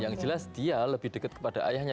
yang jelas dia lebih dekat kepada ayahnya